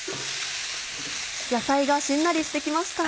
野菜がしんなりして来ました。